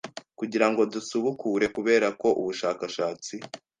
Kugira ngo dusubukure kubera ko ubushakashatsi